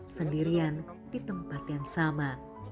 sendirian di tempat yang sama